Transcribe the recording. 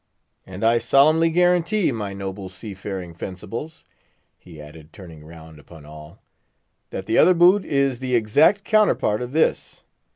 And I solemnly guarantee, my noble sea faring fencibles," he added, turning round upon all, "that the other boot is the exact counterpart of this.